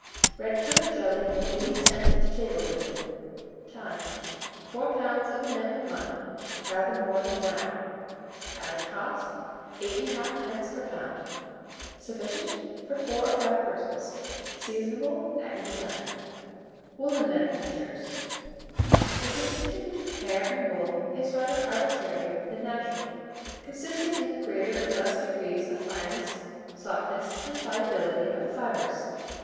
Red currant jelly may be sent to table with it. Time. 4 lbs. of the neck of mutton, rather more than 1 hour. Average cost, 8 1/2d. per lb. Sufficient for 4 or 5 persons. Seasonable at any time. WOOLLEN MANUFACTURES. The distinction between hair and wool is rather arbitrary than natural, consisting in the greater or less degrees of fineness, softness and pliability of the fibres.